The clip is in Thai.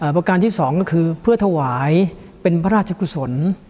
ประการที่๒ก็คือเพื่อถวายเป็นพระราชกุศล